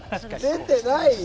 出てないよ！